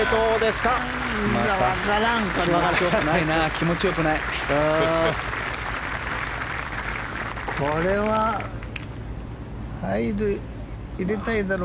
気持ちよくないな。